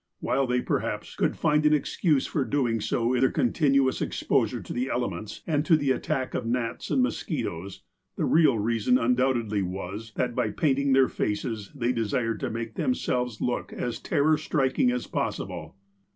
While they perhaps could find an excuse for doing so in their continuous exiDOSure to the elements, and to the attack of gnats and mosquitoes, the real reason undoubtedly was, that, by paintiug their faces, they de sired to make themselves look as terror striking as pos sible.